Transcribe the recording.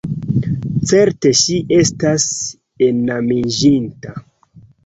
Certe ŝi estas enamiĝinta.